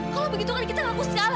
kalo begitu kan kita ngaku segala